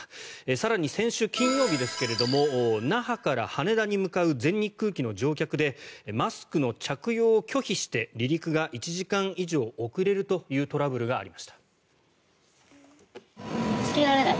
更に、先週金曜日ですが那覇から羽田に向かう全日空機の乗客でマスクの着用を拒否して離陸が１時間以上遅れるというトラブルがありました。